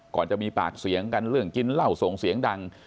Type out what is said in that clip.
ก่อนจะมีปากเสียงกันเรื่องกินเหล้าส่งเสียงดัง